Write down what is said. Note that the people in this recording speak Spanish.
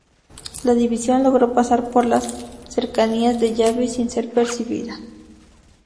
La división logró pasar por las cercanías de Yavi sin ser percibida.